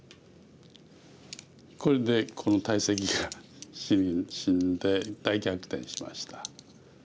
これでこの大石が死んで大逆転しました。